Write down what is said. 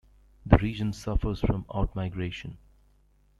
The region suffers from out-migration.